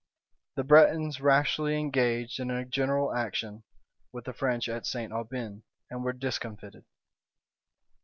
The Bretons rashly engaged in a general action with the French at St. Aubin, and were discomfited.